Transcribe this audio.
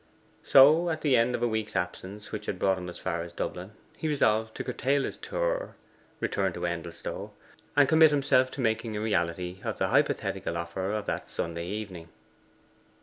So at the end of the week's absence, which had brought him as far as Dublin, he resolved to curtail his tour, return to Endelstow, and commit himself by making a reality of the hypothetical offer of that Sunday evening.